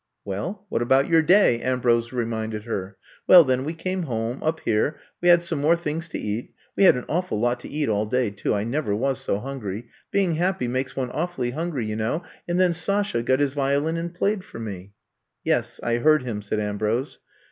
Well, what about your day f '' Ambrose reminded her. ''Well, then we came home, up here. We had some more things to eat — ^we had an awful lot to eat all day, too— I never was so hungry. Being happy makes one awfully hungry, you know. And then Sasha got his violin and played for me.*' ''Yes, I heard him,'' said Ambrose.